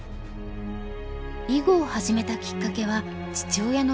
囲碁を始めたきっかけは父親の影響でした。